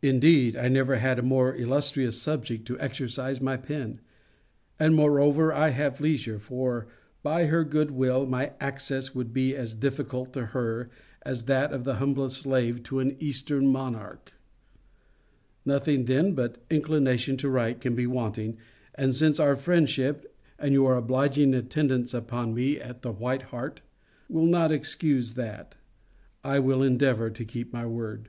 Indeed, I never had a more illustrious subject to exercise my pen. And, moreover, I have leisure; for by her good will, my access would be as difficult to her, as that of the humblest slave to an Eastern monarch. Nothing, then, but inclination to write can be wanting; and since our friendship, and your obliging attendance upon me at the White Hart, will not excuse that, I will endeavour to keep my word.